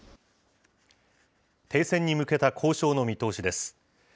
停戦に向けた交渉の見通しです。